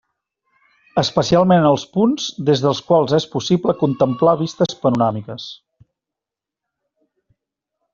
Especialment en els punts des dels quals és possible contemplar vistes panoràmiques.